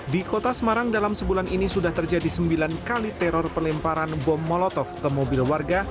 di kota semarang dalam sebulan ini sudah terjadi sembilan kali teror pelemparan bom molotov ke mobil warga